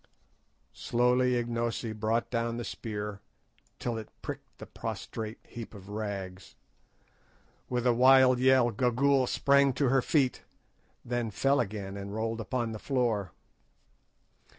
Slowly Ignosi brought down the spear till it pricked the prostrate heap of rags. With a wild yell Gagool sprang to her feet, then fell again and rolled upon the floor.